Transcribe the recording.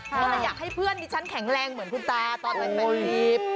เพราะฉะนั้นอยากให้เพื่อนดิฉันแข็งแรงเหมือนคุณตาตอนก่อนไปวีป